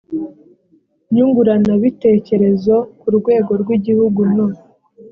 nyunguranabitekerezo ku rwego rw igihugu no